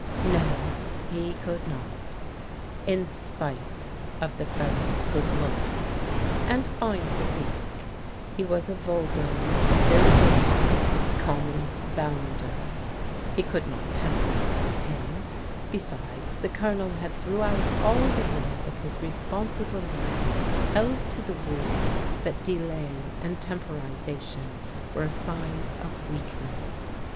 No, he could not. In spite of the fellow's good looks, and fine physique, he was a vulgar, ill bred, common bounder. He could not temporize with him. Besides, the Colonel had throughout all the years of his responsible life held to the rule that delay and temporization were a sign of weakness.